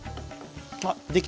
あっできた。